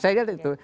saya lihat itu